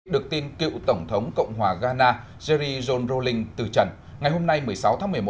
được tin cựu tổng thống cộng hòa ghana jeri john rowling từ trần ngày hôm nay một mươi sáu tháng một mươi một